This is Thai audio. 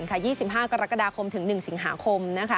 ๒๕กรกฎาคมถึง๑สิงหาคม